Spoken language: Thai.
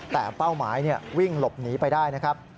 แต่เป้าหมายวิ่งหลบหนีไปได้นะครับ